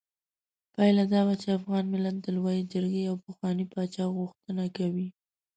پايله دا وه چې افغان ملت د لویې جرګې او پخواني پاچا غوښتنه کوي.